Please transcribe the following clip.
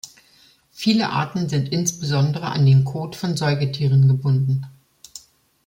Viele Arten sind insbesondere an den Kot von Säugetieren gebunden.